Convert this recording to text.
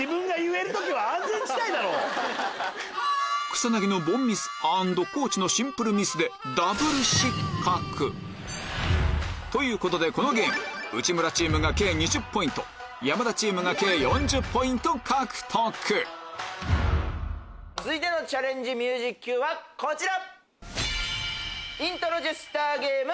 草薙の凡ミスアンド地のシンプルミスでということでこのゲーム内村チームが計２０ポイント山田チームが計４０ポイント獲得続いてのチャレンジミュージッＱこちら！